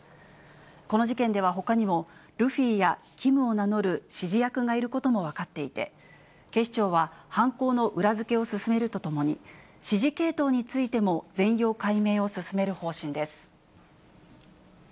この事件ではほかにも、ルフィやキムを名乗る指示役がいることも分かっていて、警視庁は犯行の裏付けを進めるとともに、指示系統についても全容解明を進める方針です。